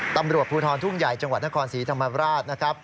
ตำรวจภูทรทุ่งใหญ่จังหวัดนครศรีธรรมราชนะครับ